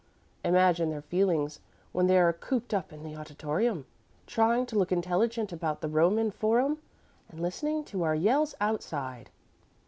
Imagine their feelings when they are cooped up in the auditorium, trying to look intelligent about the Roman Forum, and listening to our yells outside!"